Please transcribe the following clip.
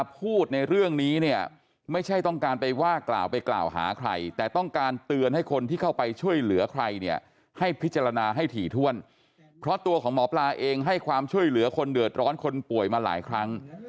เพราะตัวของหมอปลาเองให้ความช่วยเหลือคนเดือดร้อนคนป่วยมาหลายครั้ง